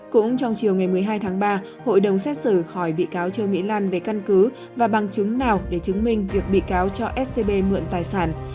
cũng trong chiều ngày một mươi hai tháng ba hội đồng xét xử hỏi bị cáo trương mỹ lan về căn cứ và bằng chứng nào để chứng minh việc bị cáo cho scb mượn tài sản